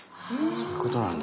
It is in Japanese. そういうことなんだ。